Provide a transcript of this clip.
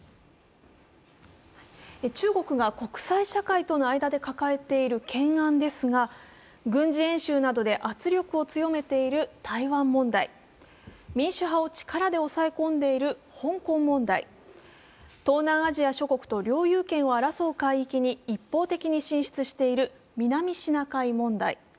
中国が国際社会との間で抱えている懸案ですが、軍事演習などで圧力を強めている台湾問題民主派を力で抑え込んでいる香港問題、東南アジア諸国と領有権を争う海域に一方的に進出している南シナ海問題。